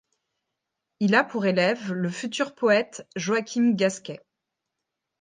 Il a pour élève le futur poète Joachim Gasquet.